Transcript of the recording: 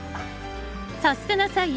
「さすてな菜園」